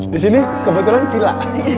di sini kebetulan villa